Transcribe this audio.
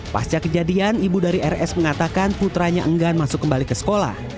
pasca kejadian ibu dari rs mengatakan putranya enggan masuk kembali ke sekolah